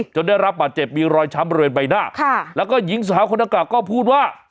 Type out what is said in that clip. ได้รับบาดเจ็บมีรอยช้ำบริเวณใบหน้าค่ะแล้วก็หญิงสาวคนดังกล่าก็พูดว่า